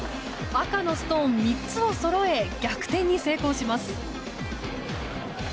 赤のストーン３つをそろえ逆転に成功します。